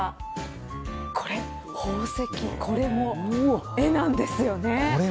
この宝石これも絵なんですよね。